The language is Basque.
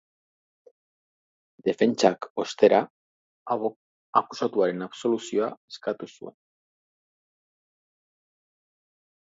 Defentsak, ostera, akusatuaren absoluzioa eskatu zuen.